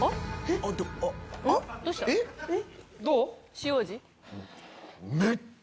塩味？